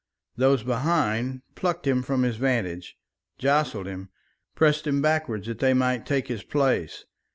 Those behind plucked him from his vantage, jostled him, pressed him backwards that they might take his place.